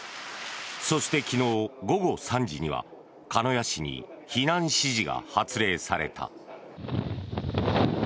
そして、昨日午後３時には鹿屋市に避難指示が発令された。